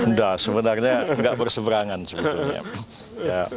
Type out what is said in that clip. udah sebenarnya gak berseberangan sebetulnya